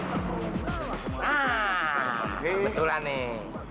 ah kebetulan nih